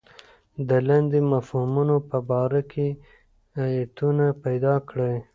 د لاندې مفهومونو په باره کې ایتونه پیدا کړئ.